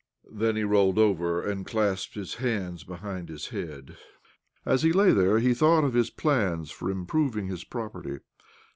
Then he rolled over, and clasped his hands behind his head. As he lay there he thoug^ht of his plans for improving his property.